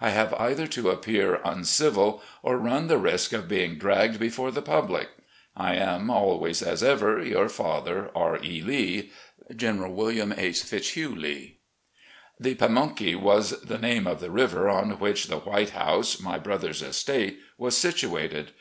I have either to appear uncivil, or run the risk of being dragged before the public. ... I am, "Always as ever, your father, R. E. Lee. "General Wm. H. Fitzhugh Lee." The Pamunkey was the name of the river on which the White House, my brother's estate, was situated.